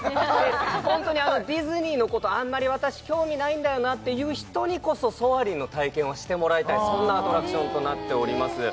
ホントにディズニーのことあんまり私興味ないんだよなっていう人にこそソアリンの体験をしてもらいたいそんなアトラクションとなっております